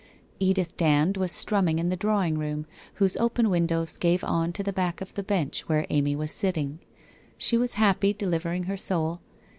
Edith Dand was strumming in the drawing room, whose open win dows gave on to the back of the bench where Amy was sit ting. She was happy, delivering her soul.